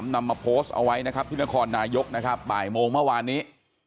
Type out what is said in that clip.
นำมาโพสต์เอาไว้นะครับที่นครนายกนะครับบ่ายโมงเมื่อวานนี้